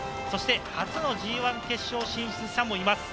初のＧ１決勝進出者もいます。